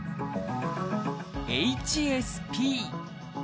ＨＳＰ。